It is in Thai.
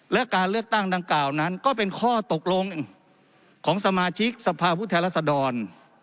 และการเลือกตั้งดังกล่าวนั้นก็เป็นข้อตกลงของสมาชิกสภาพุทธแทนรัศดร